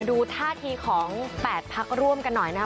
ดูท่าทีของ๘พักร่วมกันหน่อยนะครับ